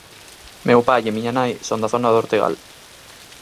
Meu pai e miña nai son da zona do Ortegal.